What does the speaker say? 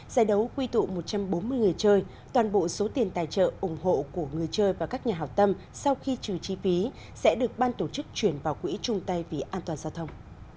giải đấu quy tụ một trăm bốn mươi người chơi toàn bộ số tiền tài trợ ủng hộ của người chơi và các nhà hào tâm sau khi trừ chi phí sẽ được ban tổ chức chuyển vào quỹ trung tây vì an toàn giao thông